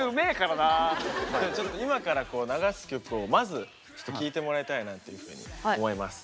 じゃあちょっと今から流す曲をまずちょっと聞いてもらいたいなっていうふうに思います。